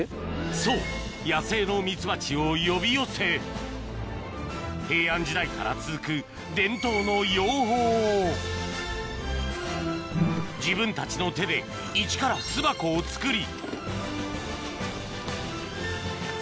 そう野生のミツバチを呼び寄せ平安時代から続く自分たちの手でいちから巣箱を作り